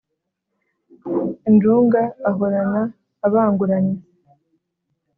injunga ahorana abanguranye